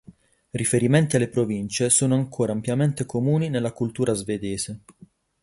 Riferimenti alle province sono ancora ampiamente comuni nella cultura svedese.